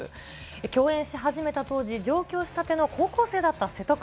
共演し始めた当時、上京したての高校生だった瀬戸君。